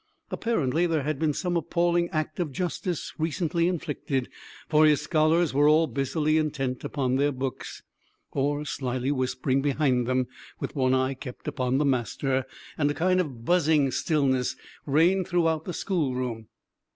Apparently there had been some appalling act of justice recently inflicted, for his scholars were all busily intent upon their books, or slyly whispering behind them with one eye kept upon the master; and a kind of buzzing stillness reigned throughout the schoolroom.